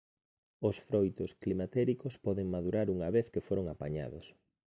Os froitos climatéricos poden madurar unha vez que foron apañados.